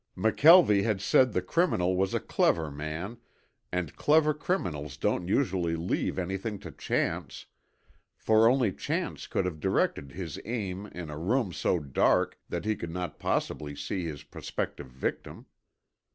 McKelvie had said the criminal was a clever man and clever criminals don't usually leave anything to chance, for only chance could have directed his aim in a room so dark that he could not possibly see his prospective victim!